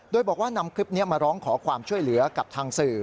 โดยบอกว่านำคลิปนี้มาร้องขอความช่วยเหลือกับทางสื่อ